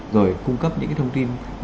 rồi cung cấp những thông tin